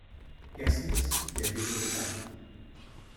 Erstens, der Wille der Seiten.